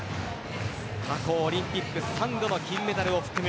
過去オリンピック３度の金メダルを含む